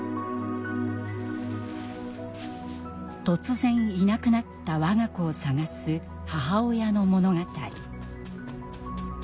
突然いなくなった我が子を捜す母親の物語。